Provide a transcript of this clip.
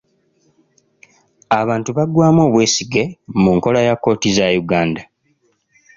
Abantu baggwamu obwesige mu nkola ya kkooti za Uganda.